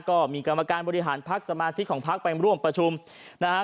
ก็มีกรรมการบริหารพักสมาชิกของพักไปร่วมประชุมนะฮะ